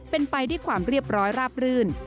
เป็นไปด้วยความเรียบร้อยราบรื่น